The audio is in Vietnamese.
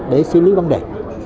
để xử lý vấn đề